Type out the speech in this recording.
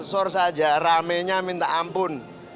sors aja ramenya minta ampun